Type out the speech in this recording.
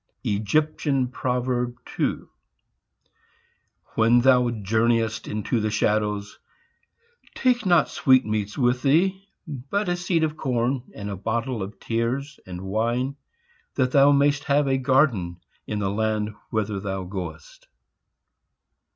Egyptian Proverb. WHEN thou journeyest into the shadows, take not sweetmeats with thee, but a seed of corn and a bottle of tears and wine; that thou mayst have a garden in the land whither thou goeat.